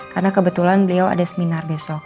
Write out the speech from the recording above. karena kebetulan beliau ada seminar besok